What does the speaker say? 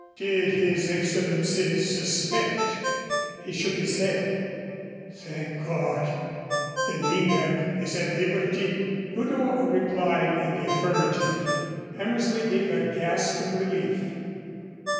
"Did His Excellency suspect?" He shook his head. "Thank God. Then Lindberg is at liberty?" Udo replied in the affirmative. Hammersley gave a gasp of relief.